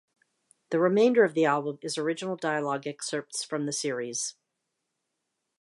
The remainder of the album is original dialogue excerpts from the series.